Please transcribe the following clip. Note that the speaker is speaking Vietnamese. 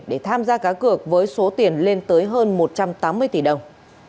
để tham gia cá cược với số tiền lên tới hơn một trăm tám mươi tỷ đồng